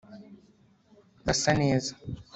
basa neza